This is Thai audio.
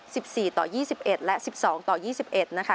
สิบสี่ต่อยี่สิบเอ็ดและสิบสองต่อยี่สิบเอ็ดนะคะ